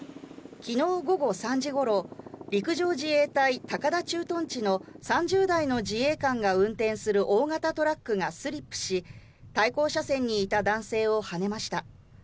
昨日午後３時頃、陸上自衛隊高田駐屯地の３０代の自衛官が運転する大型トラックがスリップし、対向車線にいた男性をはねました。